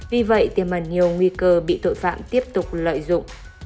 vì vậy tiềm mần nhiều nguy cơ bị tội phạm tiếp tục lợi dụng